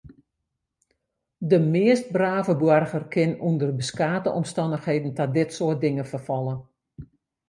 De meast brave boarger kin ûnder beskate omstannichheden ta dit soart dingen ferfalle.